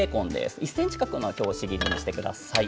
１ｃｍ角の拍子木切りにしてください。